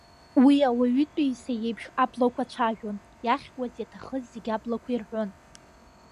Уи ауаҩытәыҩса иеиԥш аблақәа цәажәон, иахьуаз, иаҭахыз зегьы аблақәа ирҳәон.